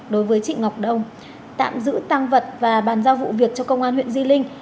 đối với chị ngọc đông tạm giữ tăng vật và bàn giao vụ việc cho công an huyện di linh